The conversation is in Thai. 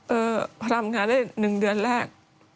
เออพยายามงานได้หนึ่งเดือนแรก